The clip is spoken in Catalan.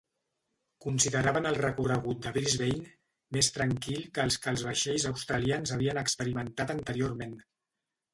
Consideraven el recorregut de "Brisbane" més tranquil que els que els vaixells australians havien experimentat anteriorment.